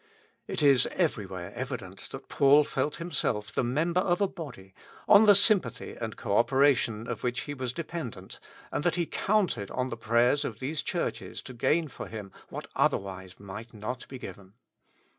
It is everywhere evident that Paul felt himself the member of a body, on the sympathy and co operation of which he was dependent, and that he counted on the prayers of these Churches to gain for him, what otherwise might not be given.